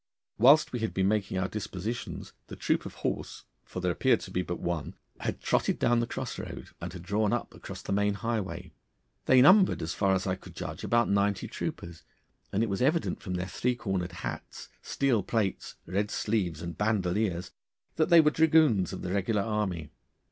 Whilst we had been making our dispositions the troop of horse for there appeared to be but one had trotted down the cross road, and had drawn up across the main highway. They numbered, as far as I could judge, about ninety troopers, and it was evident from their three cornered hats, steel plates, red sleeves, and bandoliers, that they were dragoons of the regular army.